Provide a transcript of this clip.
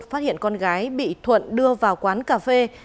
phát hiện con gái bị thuận đưa vào quán cà phê